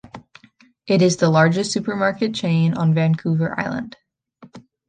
It is the largest supermarket chain on Vancouver Island.